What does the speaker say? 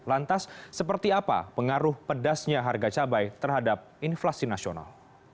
lantas seperti apa pengaruh pedasnya harga cabai terhadap inflasi nasional